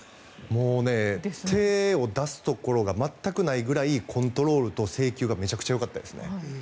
もう、手を出すところが全くないくらいコントロールと制球がめちゃくちゃよかったです。